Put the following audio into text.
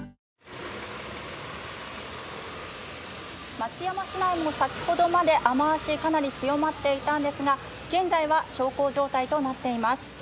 松山市内も先ほどまで雨足、かなり強まっていたんですが現在は小康状態となっています。